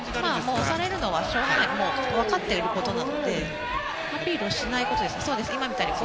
押されるのはしょうがないわかっていることなのでアピールしないことですね。